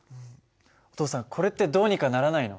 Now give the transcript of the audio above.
お父さんこれってどうにかならないの？